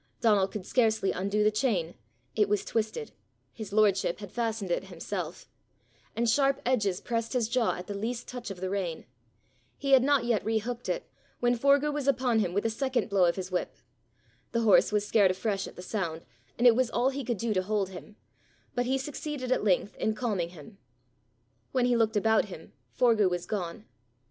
Donal could scarcely undo the chain; it was twisted his lordship had fastened it himself and sharp edges pressed his jaw at the least touch of the rein. He had not yet rehooked it, when Forgue was upon him with a second blow of his whip. The horse was scared afresh at the sound, and it was all he could do to hold him, but he succeeded at length in calming him. When he looked about him, Forgue was gone.